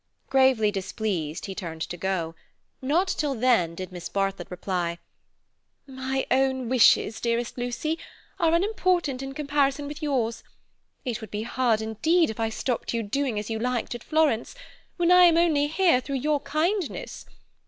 Gravely displeased, he turned to go. Not till then did Miss Bartlett reply: "My own wishes, dearest Lucy, are unimportant in comparison with yours. It would be hard indeed if I stopped you doing as you liked at Florence, when I am only here through your kindness.